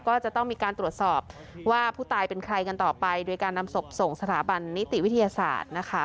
ก็จะต้องมีการตรวจสอบว่าผู้ตายเป็นใครกันต่อไปโดยการนำศพส่งสถาบันนิติวิทยาศาสตร์นะคะ